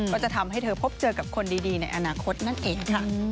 ก็จะทำให้เธอพบเจอกับคนดีในอนาคตนั่นเองค่ะ